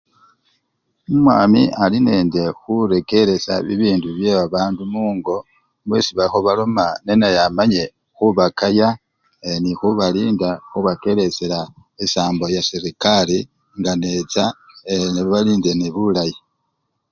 Omwami alinende khurekeresha bibindu byebabandu mungo mwesi baa! khebaloma nenaye amanye khubakaya ee! nekhubalinda khubakelesela esambo ya serekari necha ee! nebalindane bulayi.